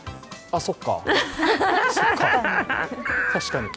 あっ、そっか。